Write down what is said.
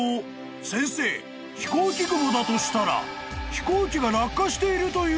先生飛行機雲だとしたら飛行機が落下しているということになりませんか？］